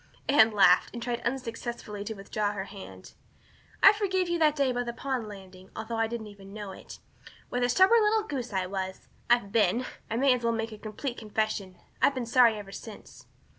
Anne laughed and tried unsuccessfully to withdraw her hand. "I forgave you that day by the pond landing, although I didn't know it. What a stubborn little goose I was. I've been I may as well make a complete confession I've been sorry ever since."